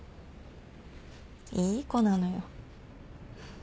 いい子なのよ。